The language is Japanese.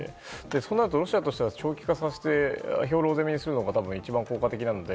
そうなるとロシアとしては長期化させて兵糧攻めにするのが多分、一番効果的なので。